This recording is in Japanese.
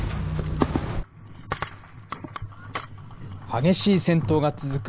激しい戦闘が続く